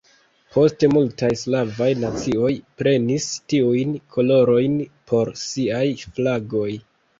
Poste multaj slavaj nacioj prenis tiujn kolorojn por siaj flagoj.